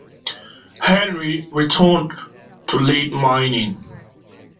Henry returned to lead mining.